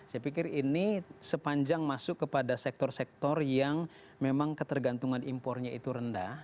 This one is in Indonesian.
saya pikir ini sepanjang masuk kepada sektor sektor yang memang ketergantungan impornya itu rendah